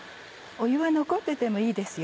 湯は残っててもいいですよ。